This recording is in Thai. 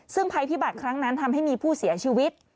ซึ่งภัยพิบัติครั้งนั้นทำให้มีผู้เสียชีวิต